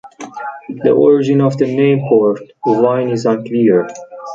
The origin of the name Port Wine is unclear.